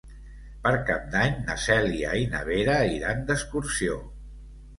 Per Cap d'Any na Cèlia i na Vera iran d'excursió.